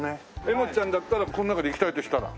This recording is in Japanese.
えもっちゃんだったらこの中でいきたいとしたら？